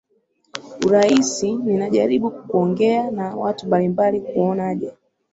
uraisi ninajaribu kukuongea na watu mbali mbali kuona je